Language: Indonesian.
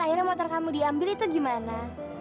akhirnya motor kamu diambil itu gimana